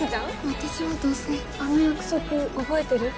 私はどうせあの約束覚えてる？